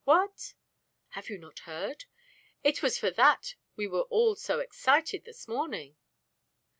"What?" "Have you not heard? It was for that we were all so excited this morning.